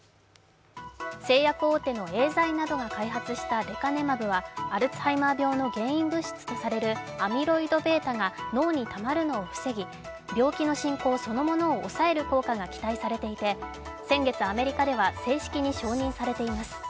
製薬大手のエーザイなどが開発したレカネマブは、アルツハイマー病の原因物質とされるアミロイドβが脳にたまるのを防ぎ病気の進行そのものを抑える効果が期待されていて先月、アメリカでは正式に承認されています。